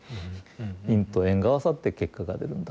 因と縁が合わさって結果が出るんだと。